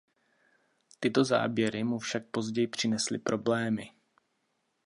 Tyto záběry mu však později přinesly problémy.